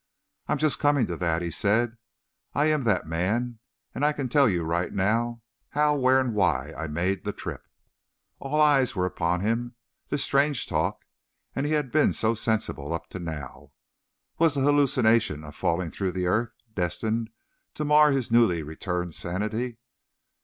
"I'm just coming to that," he said; "I am that man, and I can tell you right now, how, where, and why I made the trip!" All eyes were upon him. This strange talk, and he had been so sensible up to now. Was the hallucination of falling through the earth destined to mar his newly returned sanity?